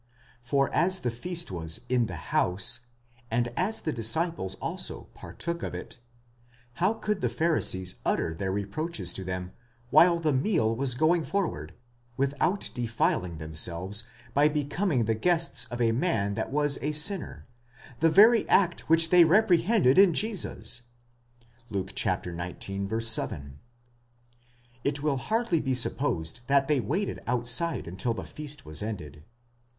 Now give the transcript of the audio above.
4® For as the feast was ix the house (ἐν τῇ οἰκίᾳ), and as the disciples also partook of it, how could the Pharisees utter their reproaches to them, while the meal was going forward, without defiling them selves by becoming the guests of a man that was a sinner,—the very act which they reprehended in Jesus? (Luke xix. 7). It will hardly be supposed that they waited outside until the feast was ended.